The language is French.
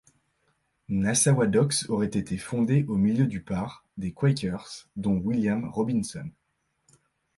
Nassawadox aurait été fondée au milieu du par des quakers, dont William Robinson.